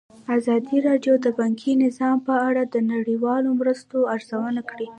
ازادي راډیو د بانکي نظام په اړه د نړیوالو مرستو ارزونه کړې.